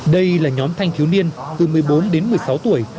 đây là nhóm thanh thiếu niên từ một mươi bốn đến một mươi sáu tuổi